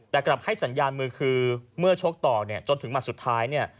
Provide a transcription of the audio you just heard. แต่กลับให้สัญญาณมือคือเมื่อชกต่อเนี่ยจนถึงหมัดสุดท้ายเนี่ย